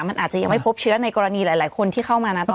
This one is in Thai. มันอาจจะยังไม่พบเชื้อในกรณีหลายคนที่เข้ามานะตอนนี้